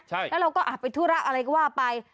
แล้วเราก็อาจไปธุระอะไรก็ว่าไป